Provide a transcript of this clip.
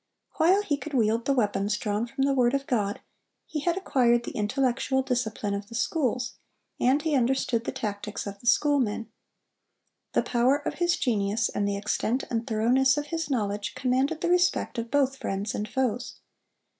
While he could wield the weapons drawn from the word of God, he had acquired the intellectual discipline of the schools, and he understood the tactics of the schoolmen. The power of his genius and the extent and thoroughness of his knowledge commanded the respect of both friends and foes.